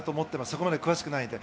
そこまで詳しくないので。